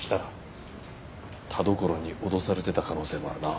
田所に脅されてた可能性もあるな。